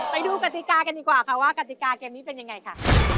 ไปดูกติกากันดีกว่าค่ะว่ากติกาเกมนี้เป็นยังไงค่ะ